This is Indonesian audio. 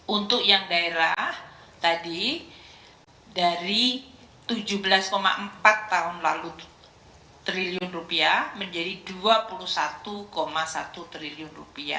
untuk yang daerah tadi dari rp tujuh belas empat tahun lalu triliun menjadi rp dua puluh satu satu triliun